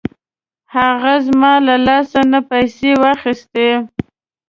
هغه زما له لاس نه پیسې واخیستې.